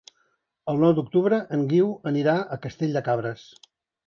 El nou d'octubre en Guiu anirà a Castell de Cabres.